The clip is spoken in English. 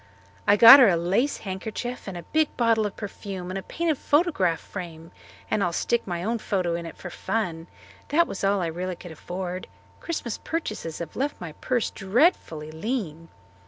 I got her a lace handkerchief and a big bottle of perfume and a painted photograph frame and I'll stick my own photo in it for fun. That was really all I could afford. Christmas purchases have left my purse dreadfully lean."